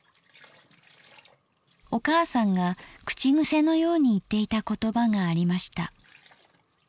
お母さんが口癖のように言っていた言葉がありました。